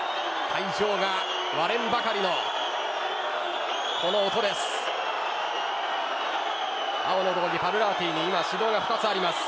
会場が割れんばかりのこの音です。